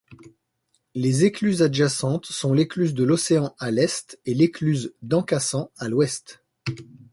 Les écluses adjacentes sont l'écluse de l'Océan à l'est et l'écluse d'Encassan à l'ouest.